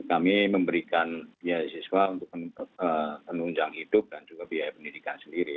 kami memberikan biaya siswa untuk penunjang hidup dan juga biaya pendidikan sendiri